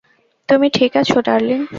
তুমি ঠিক আছো, ডার্লিং?